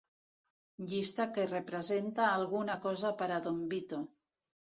Llista que representa alguna cosa per a don Vito.